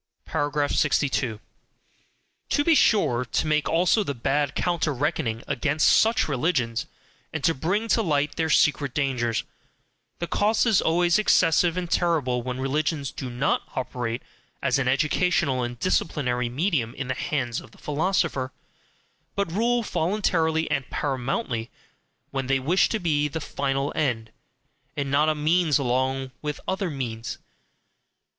62. To be sure to make also the bad counter reckoning against such religions, and to bring to light their secret dangers the cost is always excessive and terrible when religions do NOT operate as an educational and disciplinary medium in the hands of the philosopher, but rule voluntarily and PARAMOUNTLY, when they wish to be the final end, and not a means along with other means.